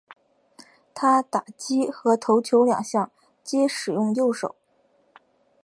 他打击和投球两项皆使用右手。